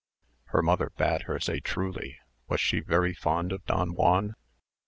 Her mother bade her say truly, was she very fond of Don Juan?